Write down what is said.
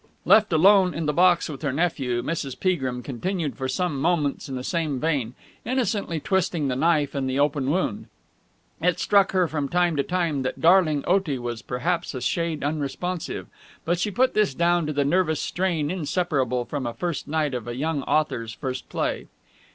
Left alone in the box with her nephew, Mrs. Peagrim continued for some moments in the same vein, innocently twisting the knife in the open wound. It struck her from time to time that darling Otie was perhaps a shade unresponsive, but she put this down to the nervous strain inseparable from a first night of a young author's first play.